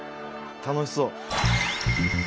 楽しそう。